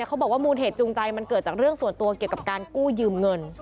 เขาบอกว่ามูลเหตุจูงใจมันเกิดจากเรื่องส่วนตัวเกี่ยวกับการกู้ยืมเงิน